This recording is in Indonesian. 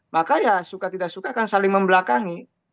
maka ya suka tidak suka akan saling membelakangi